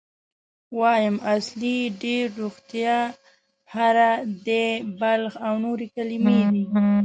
وایم، اصلي، ډېر، روغتیا، هره، دی، بلخ او نورې کلمې دي.